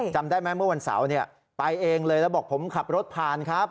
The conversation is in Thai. จำได้ไหมเมื่อวันเสาร์ไปเองเลยแล้วบอกผมขับรถผ่านครับ